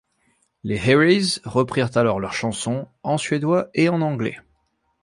Les Herreys reprirent alors leur chanson, en suédois et en anglais.